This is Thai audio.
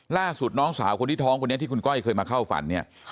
ล่าสุดน้องสาวคนที่ท้องคนนี้ที่คุณก้อยเคยมาเข้าฝันเนี่ย